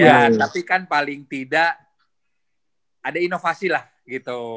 iya tapi kan paling tidak ada inovasi lah gitu